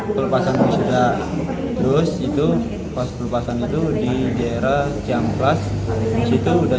kelepasan musida terus itu pas kelepasan itu di daerah siang kelas disitu udah